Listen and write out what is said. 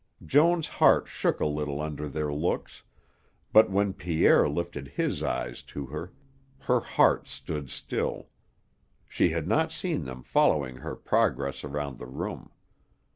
Joan's heart shook a little under their looks, but when Pierre lifted his eyes to her, her heart stood still. She had not seen them following her progress around the room.